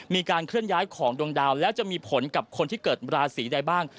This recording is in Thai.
มีการเคลื่อนย้ายของดวงดาวแล้วจะมีผลกับคนที่เกิดราศีใดบ้าง